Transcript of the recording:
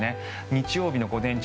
日曜日の午前中